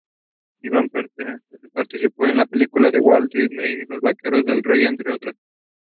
She heads the Joseph Safra Philanthropic Foundation.